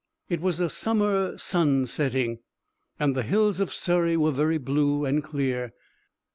It was a summer sunsetting, and the hills of Surrey were very blue and clear.